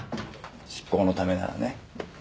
執行のためならね。